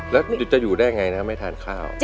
แล้วจะอยู่ได้ไงนะไม่ทานข้าว